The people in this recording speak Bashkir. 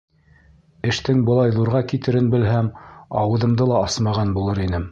Эштең былай ҙурға китерен белһәм, ауыҙымды ла асмаған булыр инем.